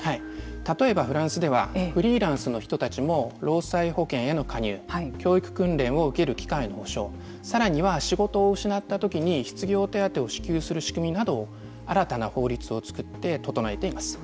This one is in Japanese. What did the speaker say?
例えばフランスではフリーランスの人たちも労災保険への加入教育訓練を受ける機会の保障更には仕事を失った時に失業手当を支給する仕組みなどを新たな法律を作って整えています。